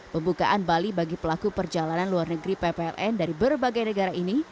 pembukaan bali bagi pelaku perjalanan luar negeri ppln dari berbagai negara ini